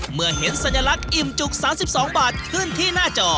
เมื่อเห็นสัญลักษณ์อิ่มจุก๓๒บาทขึ้นที่หน้าจอ